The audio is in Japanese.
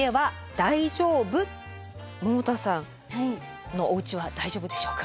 百田さんのおうちは大丈夫でしょうか？